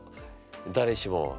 誰しも。